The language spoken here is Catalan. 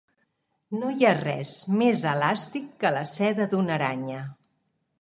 No hi ha res més elàstic que la seda d'una aranya.